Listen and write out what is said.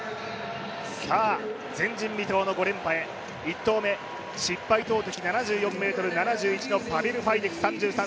前人未到の５連覇へ１投目、失敗投てき７４ｍ７１のパベル・ファイデク。